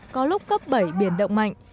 có lúc cấp bảy biển động mạnh